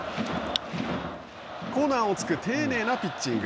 コーナーを突く丁寧なピッチング。